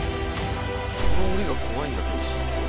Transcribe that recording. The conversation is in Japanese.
「この檻が怖いんだけどすごい」